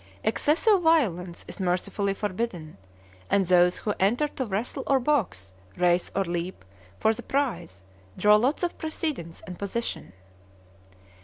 Excessive violence is mercifully forbidden, and those who enter to wrestle or box, race or leap, for the prize, draw lots for precedence and position.